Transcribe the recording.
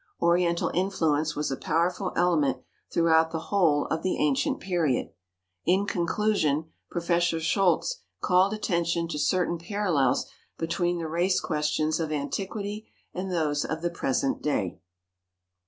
Oriental influence was a powerful element throughout the whole of the ancient period. In conclusion Prof. Scholz called attention to certain parallels between the race questions of antiquity and those of the present day.